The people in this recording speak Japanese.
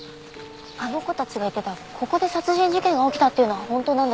あの子たちが言ってたここで殺人事件が起きたっていうのは本当なんですか？